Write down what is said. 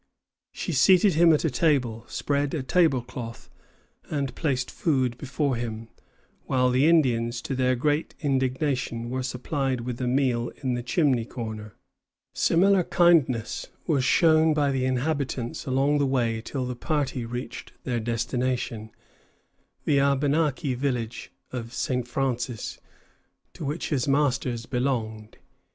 She seated him at a table, spread a table cloth, and placed food before him, while the Indians, to their great indignation, were supplied with a meal in the chimney corner. Similar kindness was shown by the inhabitants along the way till the party reached their destination, the Abenaki village of St. Francis, to which his masters belonged.